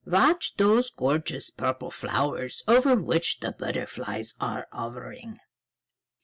Watch those gorgeous purple flowers over which the butterflies are hovering."